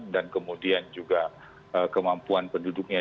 dan kemudian juga kemampuan penduduknya